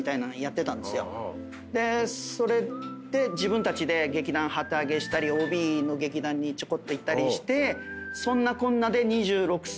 でそれで自分たちで劇団旗揚げしたりＯＢの劇団にちょこっといたりしてそんなこんなで２６歳かな。